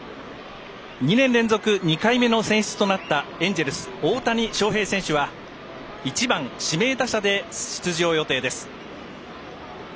２年連続２回目の選出となったエンジェルス、大谷翔平選手は１番、指名打者で出場予定です。